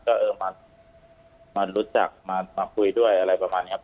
ก็เออมารู้จักมาคุยด้วยอะไรประมาณนี้ครับ